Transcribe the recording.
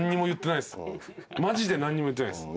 マジで何にも言ってないです。